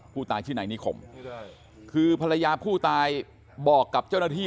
ผู้ตายชื่อนายนิคมคือภรรยาผู้ตายบอกกับเจ้าหน้าที่